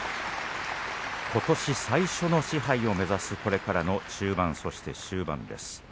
ことし最初の賜盃を目指すこれからの中盤、そして終盤です。